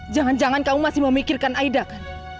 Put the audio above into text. jangan jangan kamu masih memikirkan aida kan